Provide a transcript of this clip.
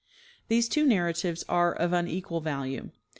These two narratives are of unequal value.